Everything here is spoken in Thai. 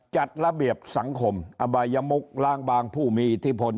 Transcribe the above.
จัดระเบียบสังคมอบายมุกล้าบางผู้มีอิทธิพล